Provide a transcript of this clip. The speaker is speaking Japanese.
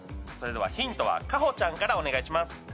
それではヒントは香帆ちゃんからお願いします